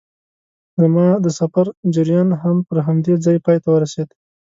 زما د سفر جریان هم پر همدې ځای پای ته ورسېد.